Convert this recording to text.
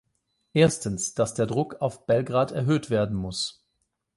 Erstens, dass der Druck auf Belgrad erhöht werden muss.